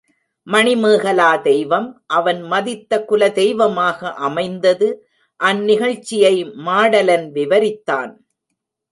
மணிமேகலா தெய்வம் அவன் மதித்த குலதெய்வமாக அமைந்தது அந்நிகழ்ச்சியை மாடலன் விவரித்தான்.